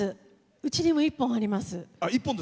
うちにも１本あります。